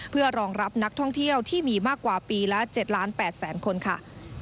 เพื่อรองรับนักท่องเที่ยวที่มีมากกว่าปีละ๗๘๐๐๐คนค่ะ